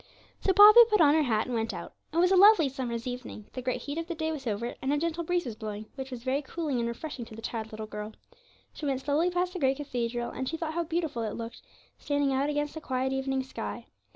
So Poppy put on her hat and went out. It was a lovely summer's evening; the great heat of the day was over, and a gentle breeze was blowing, which was very cooling and refreshing to the tired little girl. She went slowly past the great cathedral, and she thought how beautiful it looked, standing out against the quiet evening sky.